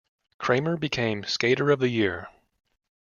Kramer became Skater of the year.